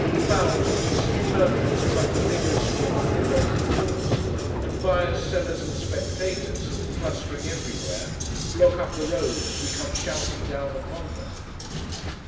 Fowls, geese, and turkeys, flutter vigorously among their very hoofs; and buyers, sellers, and spectators, clustering everywhere, block up the road as we come shouting down upon them.